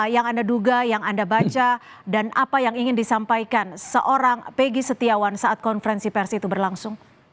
yang anda duga yang anda baca dan apa yang ingin disampaikan seorang peggy setiawan saat konferensi pers itu berlangsung